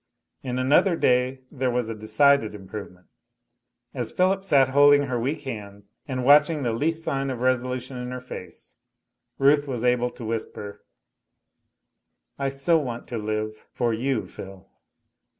In another day there was a decided improvement. As Philip sat holding her weak hand and watching the least sign of resolution in her face, Ruth was able to whisper, "I so want to live, for you, Phil!"